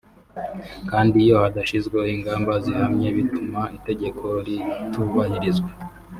kandi iyo hadashyizweho ingamba zihamye bituma itegeko ritubahirizwa